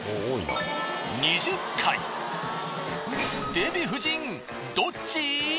デヴィ夫人どっち？